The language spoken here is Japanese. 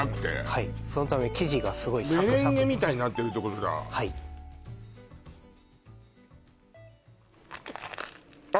はいそのため生地がすごいサクサクはいメレンゲみたいになってるってことだあ